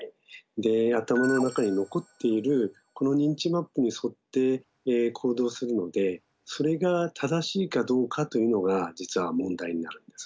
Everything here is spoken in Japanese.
で頭の中に残っているこの認知マップに沿って行動するのでそれが正しいかどうかというのが実は問題になるんです。